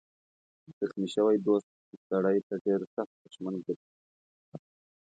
زخمي شوی دوست سړی ته ډېر سخت دښمن ګرځي.